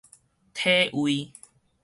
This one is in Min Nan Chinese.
體位